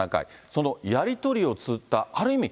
そのやり取りをつづったある意味